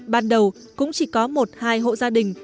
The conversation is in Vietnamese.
ban đầu cũng chỉ có một hai hộ gia đình